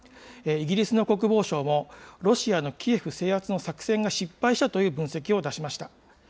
イギリスの国防省も、ロシアのキエフ制圧の作戦が失敗したという分析を出しました。